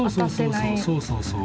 そうそうそうそう。